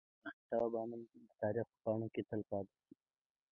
د احمد شاه بابا نوم د تاریخ په پاڼو کي تل پاتي سو.